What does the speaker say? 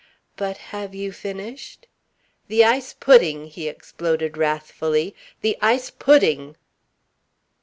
"But have you finished ?" "The ice pudding!" he exploded wrathfully. "The ice pudding!"